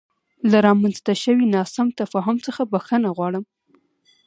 له رامنځته شوې ناسم تفاهم څخه بخښنه غواړم.